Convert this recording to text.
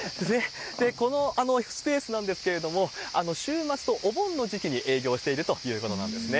このスペースなんですけれども、週末とお盆の時期に営業しているということなんですね。